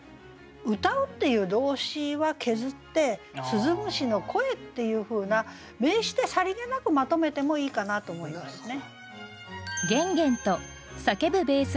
「歌う」っていう動詞は削って「鈴虫の声」っていうふうな名詞でさりげなくまとめてもいいかなと思いますね。